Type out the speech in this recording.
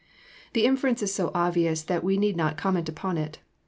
The inference is so obvious that we need not comment upon it.